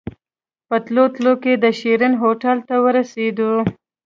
په تلو تلو کې د شيرين هوټل ته ورسېدو.